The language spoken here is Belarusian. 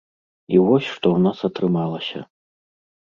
І вось, што ў нас атрымалася.